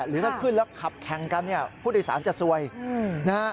หรือถ้าขึ้นแล้วขับแข่งกันเนี่ยผู้โดยสารจะซวยนะฮะ